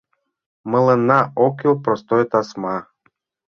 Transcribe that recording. Мыланна ок кӱл простой тасма